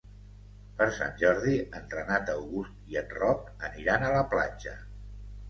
Per Sant Jordi en Renat August i en Roc aniran a la platja.